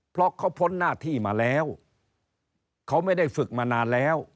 เพราะเขาพ้นหน้าที่มาแล้วเขาไม่ได้ฝึกมานานแล้ว